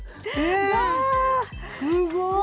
すごい！